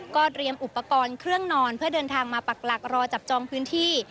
เตรียมอุปกรณ์เครื่องนอนเพื่อเดินทางมาปักหลักรอจับจองพื้นที่